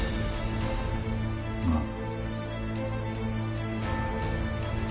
ああ。